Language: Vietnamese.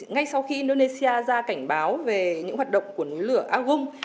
ngay sau khi indonesia ra cảnh báo về những hoạt động của núi lửa agom